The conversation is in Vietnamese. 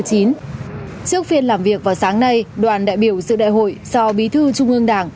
trước phiên làm việc vào sáng nay đoàn đại biểu sự đại hội do bí thư trung ương đảng